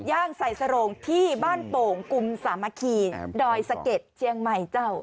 ย่างใส่สโรงที่บ้านโป่งกุมสามัคคีดอยสะเก็ดเชียงใหม่เจ้า